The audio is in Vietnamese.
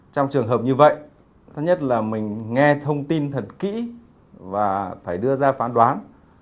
trong trường hợp như vậy thứ nhất là mình nghe thông tin thật kỹ và phải đưa ra phán đoán